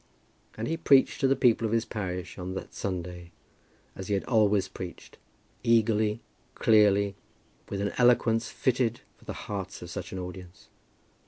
And he preached to the people of his parish on that Sunday, as he had always preached; eagerly, clearly, with an eloquence fitted for the hearts of such an audience.